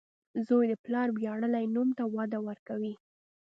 • زوی د پلار ویاړلی نوم ته وده ورکوي.